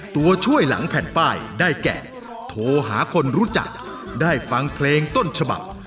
ตัวช่วยหลังแผ่นป้ายได้แก่โทรหาคนรู้จักได้ฟังเพลงต้นฉบับ